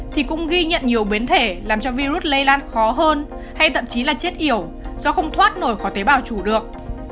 thì cũng ghi nhận nhiều biến thể làm cho virus lây lan khó hơn hay thậm chí là chết yểu do không thoát nổi khó tế bào chủ được